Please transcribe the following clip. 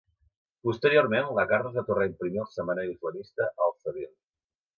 Posteriorment, la carta es va tornar a imprimir al setmanari islamista "Al Sabil".